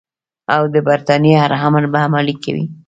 او د برټانیې هر امر به عملي کوي.